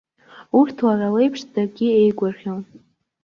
Урҭ лара леиԥш даргьы еигәырӷьон.